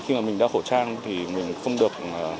khi mà mình đeo khẩu trang thì mình không được